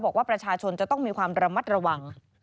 ยอมรับว่าการตรวจสอบเพียงเลขอยไม่สามารถทราบได้ว่าเป็นผลิตภัณฑ์ปลอม